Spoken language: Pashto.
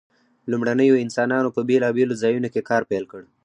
لومړنیو انسانانو په بیلابیلو ځایونو کې کار پیل کړ.